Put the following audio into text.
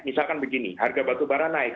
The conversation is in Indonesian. misalkan begini harga batu bara naik